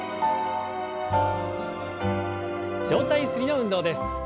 上体ゆすりの運動です。